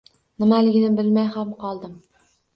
Nimaligini bilmay ham qoldim...